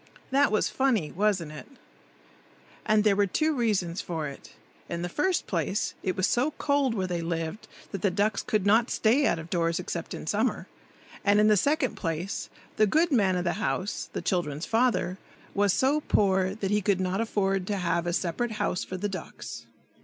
That was funny, wasn't it? And there were two reasons for it. In the first place, it was so cold where they lived that the ducks could not stay out of doors, except in summer; and in the second place, the good man of the house, the children's father, was so poor that he could not afford to have a separate house for the ducks.